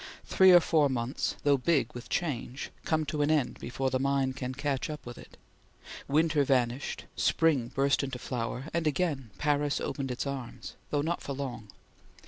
Three or four months, though big with change, come to an end before the mind can catch up with it. Winter vanished; spring burst into flower; and again Paris opened its arms, though not for long.